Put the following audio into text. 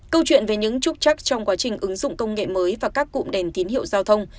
câu chuyện về những trúc chắc trong quá trình ứng dụng công nghệ mới và các cụm đèn tín hiệu giao thông